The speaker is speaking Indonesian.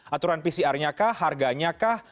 aturan pcr nya kah harganya kah